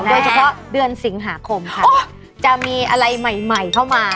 โดยเฉพาะเดือนสิงหาคมค่ะจะมีอะไรใหม่เข้ามา